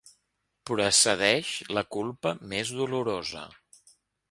Precedeix la culpa més dolorosa.